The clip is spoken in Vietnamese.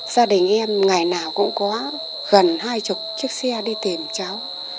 gia đình em ngày nào cũng có gần hai mươi chiếc xe đi tìm cháu